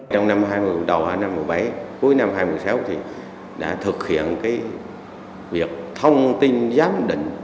trong năm hai nghìn một mươi bảy cuối năm hai nghìn một mươi sáu thì đã thực hiện việc thông tin giám định